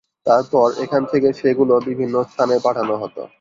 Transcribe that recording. তারপর এখান থেকে সেগুলো বিভিন্ন স্থানে পাঠানো হত।